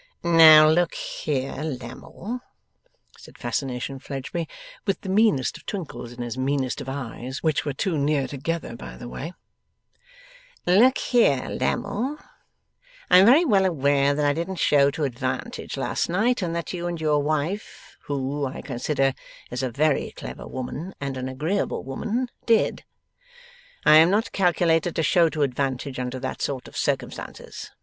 'Now, look here, Lammle,' said Fascination Fledgeby, with the meanest of twinkles in his meanest of eyes: which were too near together, by the way: 'look here, Lammle; I am very well aware that I didn't show to advantage last night, and that you and your wife who, I consider, is a very clever woman and an agreeable woman did. I am not calculated to show to advantage under that sort of circumstances.